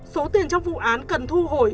số tiền trong vụ án cần thu hồi